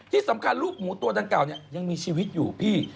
ที่สำคัญลูกหมูตัวดังเก่าเนี่ยยังมีชีวิตอยู่พี่